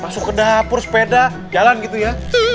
masuk ke dapur sepeda jalan gitu ya